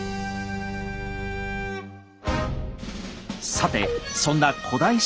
さてそんな古代史